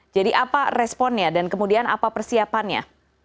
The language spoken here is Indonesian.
jadi apa responnya dan kemudian apa persiapannya